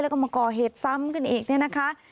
แล้วก็มาก่อเหตุซ้ำขึ้นอีกเนี่ยนะคะ